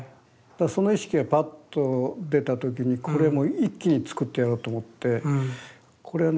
その意識がバッと出た時にこれもう一気に作ってやろうと思ってこれはね